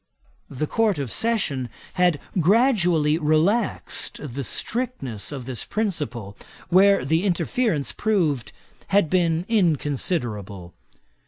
The Court of Session had gradually relaxed the strictness of this principle, where the interference proved had been inconsiderable.